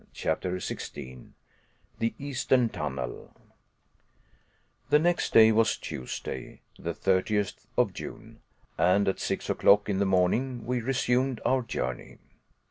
CHAPTER 16 THE EASTERN TUNNEL The next day was Tuesday, the 30th of June and at six o'clock in the morning we resumed our journey.